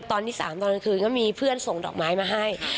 ตอนที่๓ตอนกลางคืนก็มีเพื่อนส่งดอกไม้มาให้